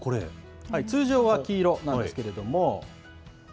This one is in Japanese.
通常は黄色なんですけれども。